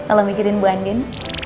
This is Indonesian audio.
kalau mikirin bu andien